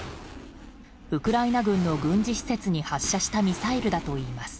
ウクライナ軍の軍事施設に発射したミサイルだといいます。